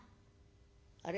あれ？